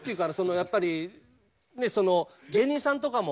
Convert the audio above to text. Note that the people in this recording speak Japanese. やっぱり芸人さんとかも。